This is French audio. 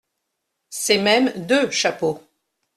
C’est même deux chapeaux !